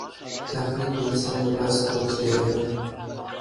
تخنیک د انسان د لاس قوت ډېروي.